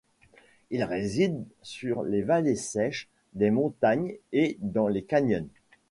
Il réside sur les vallées sèches des montagnes et dans les canyons.